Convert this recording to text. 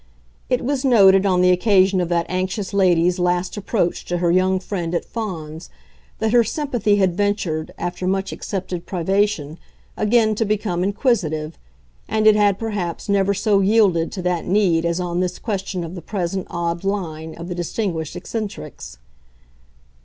It was noted, on the occasion of that anxious lady's last approach to her young friend at Fawns, that her sympathy had ventured, after much accepted privation, again to become inquisitive, and it had perhaps never so yielded to that need as on this question of the present odd "line" of the distinguished eccentrics.